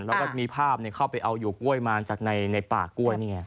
แล้วก็มีภาพเข้าไปเอาอยู่กล้วยมาจากในป่ากล้วยนี่ไง